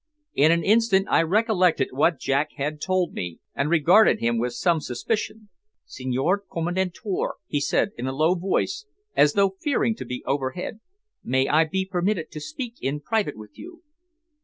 In an instant I recollected what Jack had told me, and regarded him with some suspicion. "Signor Commendatore," he said in a low voice, as though fearing to be overheard, "may I be permitted to speak in private with you?"